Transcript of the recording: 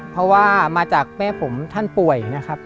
เพราะว่ามาจากแม่ผมท่านป่วยนะครับ